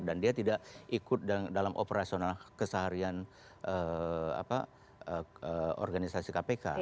dan dia tidak ikut dalam operasional keseharian organisasi kpk